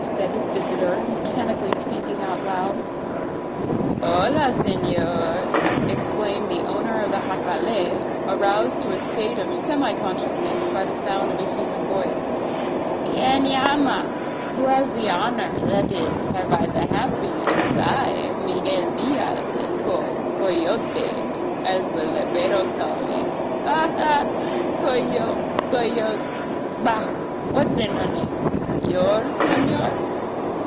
said his visitor, mechanically speaking aloud. "H'la S'nor!" exclaimed the owner of the jacale, aroused to a state of semi consciousness by the sound of a human voice. "Quien llama! Who has the honour that is, have I the happiness I, Miguel Diaz el Co coyote, as the leperos call me. Ha, ha! coyo coyot. Bah! what's in a name? Yours, S'nor?